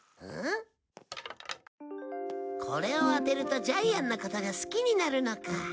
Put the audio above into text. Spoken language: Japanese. これを当てるとジャイアンのことが好きになるのか。